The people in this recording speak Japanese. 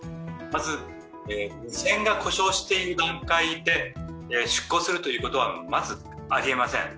無線が故障している段階で出航するということはまずありえません。